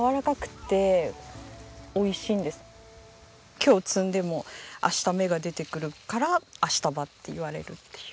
今日摘んでも明日芽が出てくるからアシタバって言われるっていう。